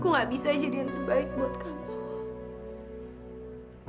aku gak bisa jadi yang terbaik buat kamu